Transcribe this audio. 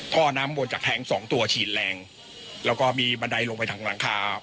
ท่อน้ำบนจากแท้งสองตัวฉีดแรงแล้วก็มีบันไดลงไปทางหลังคา